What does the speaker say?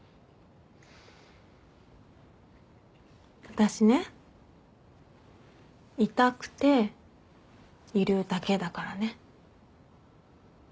私ねいたくているだけだからね。